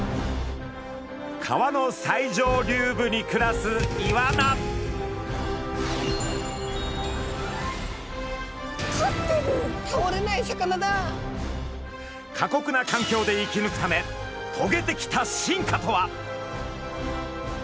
川の最上流部に暮らす過酷な環境で生きぬくためとげてきた進化とは？